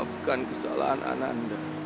maafkan kesalahan anda